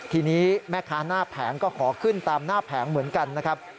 ทีนี้แม่ค้าหน้าแผงก็ขอขึ้นตามหน้าแผงเหมือนกันนะครับ